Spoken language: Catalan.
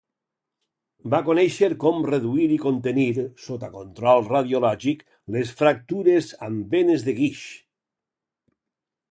Va conèixer com reduir i contenir, sota control radiològic, les fractures amb venes de guix.